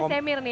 semir nih ya